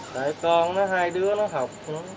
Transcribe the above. tại con nó hai đứa nó học